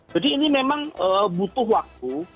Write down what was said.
jadi ini memang butuh waktu